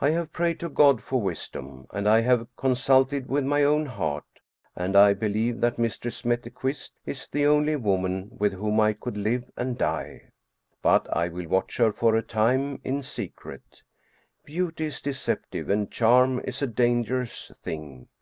I have prayed to God for wisdom and I have consulted with my own heart, and I believe that Mistress Mette Quist is the only woman with whom I could live and die. But I will watch her for a time in secret. Beauty is deceptive and charm is a dangerous thing.